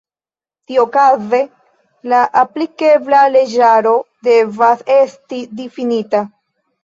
Tiuokaze la aplikebla leĝaro devas esti difinita.